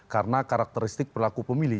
karena karakteristik berlaku pemilih